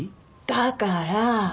だから。